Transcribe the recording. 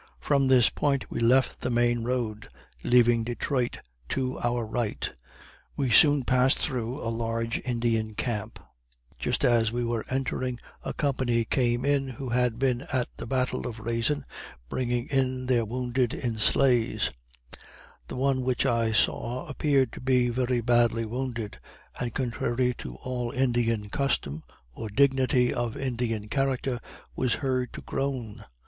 From this point we left the main road, leaving Detroit to our right; we soon passed through a large Indian camp; just as we were entering, a company came in who had been at the battle at Raisin, bringing in their wounded in sleighs; the one which I saw appeared to be very badly wounded, and contrary to all Indian custom, or dignity of Indian character, was heard to groan.